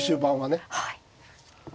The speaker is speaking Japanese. はい。